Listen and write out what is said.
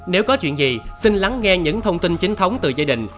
nếu có chuyện gì xin lắng nghe những thông tin chính thống từ gia đình